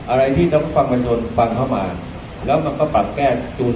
อะไรที่เรารู้สึกได้คุย